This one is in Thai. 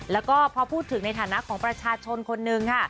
แล้วก็พอพูดถึงในฐานะของประชาชนคนนึงค่ะ